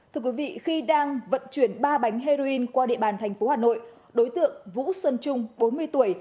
thưa quý vị khi đang vận chuyển ba bánh heroin qua địa bàn thành phố hà nội đối tượng vũ xuân trung bốn mươi tuổi